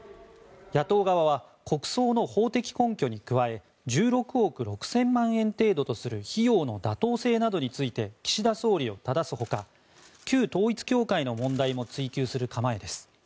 野党側は国葬の法的根拠に加え１６億６０００万円程度とする費用の妥当性などについて岸田総理をただす他旧統一教会の問題も追及する構えです。